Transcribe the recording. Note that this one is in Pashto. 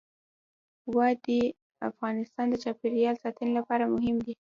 وادي د افغانستان د چاپیریال ساتنې لپاره مهم دي.